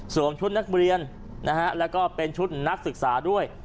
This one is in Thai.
ชุดนักเรียนนะฮะแล้วก็เป็นชุดนักศึกษาด้วย